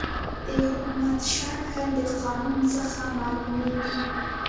د حکومت شکل د قانون څخه معلوميږي.